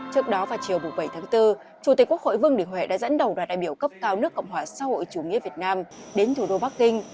trước đó vào chiều bảy tháng bốn chủ tịch quốc hội vương đình huệ đã dẫn đầu đoàn đại biểu cấp cao nước cộng hòa xã hội chủ nghĩa việt nam đến thủ đô bắc kinh